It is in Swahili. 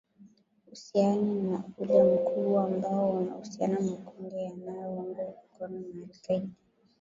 husiani na ule mkubwa ambao unahusisha makundi yanayo ungwa mkono na al qaeda